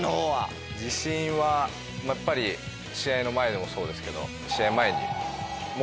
自信はやっぱり試合の前でもそうですけど。